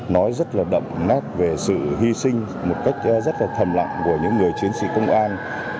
nói rất là đậm nét về sự hy sinh một cách rất là thầm lặng của những người chiến sĩ công an